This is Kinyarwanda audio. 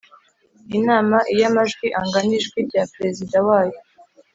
Inama iyo amajwi angana ijwi rya perezida wayo